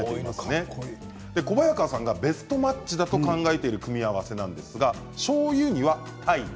小早川さんがベストマッチだと考えている組み合わせはしょうゆにはタイム